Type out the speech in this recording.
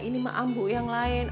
ini mah ambu yang lain